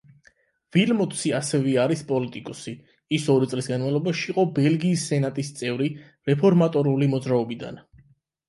ვილმოტსი ასევე არის პოლიტიკოსი, ის ორი წლის განმავლობაში იყო ბელგიის სენატის წევრი რეფორმატორული მოძრაობიდან.